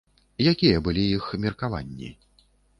Якія былі іх меркаванні?